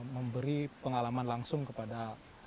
memberi pengalaman langsung kepada